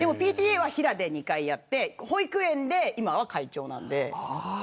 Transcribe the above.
ＰＴＡは平で２回やって保育園で今は会長なので。